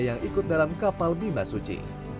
yang ikut dalam kapal bima suci